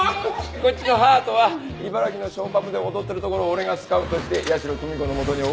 こっちの心人は茨城のショーパブで踊ってるところを俺がスカウトして矢代久美子の元に送り込んだ。